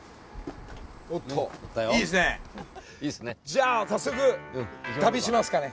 じゃあ早速旅しますかね。